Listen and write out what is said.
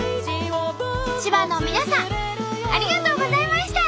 千葉の皆さんありがとうございました！